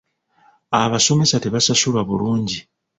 Abasomesa tebasasulwa bulungi.